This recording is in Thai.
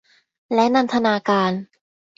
และนันทนาการ